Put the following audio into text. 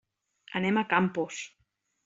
Anem a Campos.